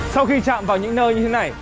sau khi chạm vào những nơi như thế này